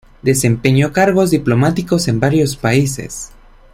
Desempeñó cargos diplomáticos en varios países.